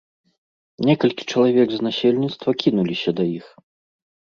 Некалькі чалавек з насельніцтва кінуліся да іх.